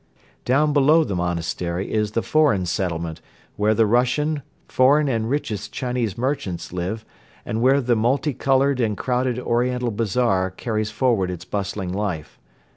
Down below the monastery is the foreign settlement where the Russian, foreign and richest Chinese merchants live and where the multi colored and crowded oriental bazaar carries forward its bustling life.